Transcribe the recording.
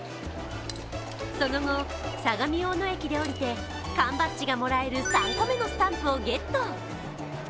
その後、相模大野駅で降りて缶バッジがもらえる３個目のスタンプをゲット。